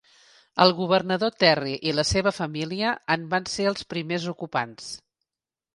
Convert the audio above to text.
El governador Terry i la seva família en van ser els primers ocupants.